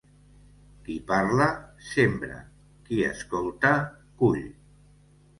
Qui parla, sembra; qui escolta, cull.